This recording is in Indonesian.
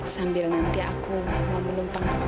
sambil nanti aku mau menumpang kakak mandi